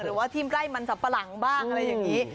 หรือว่าที่ไร่มันสับปะหลังบ้างอะไรอย่างนี้